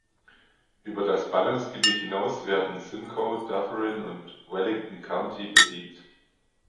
Über das Ballungsgebiet hinaus werden Simcoe, Dufferin, und Wellington County bedient.